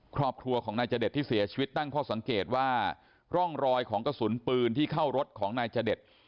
ครอบครัวของนายจเดชที่เสียชีวิตตั้งข้อสังเกตว่าร่องรอยของกระสุนปืนที่เข้ารถของนายจเดช